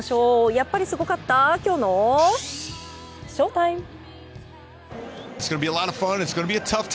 やっぱりすごかったきょうのＳＨＯＴＩＭＥ！